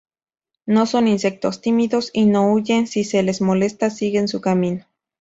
No son insectos tímidos y no huyen, si se les molesta siguen su camino.